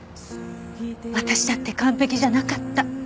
私だって完璧じゃなかった。